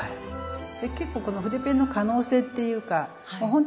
で結構この筆ペンの可能性っていうかまあ